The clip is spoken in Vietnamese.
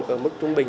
ở mức trung bình